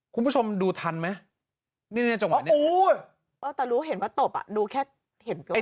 คุณผู้ชมดูทันไหมแต่รู้เห็นว่าตบอ่ะดูแค่เห็น